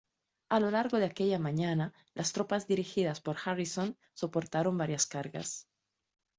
A lo largo de aquella mañana las tropas dirigidas por Harrison soportaron varias cargas.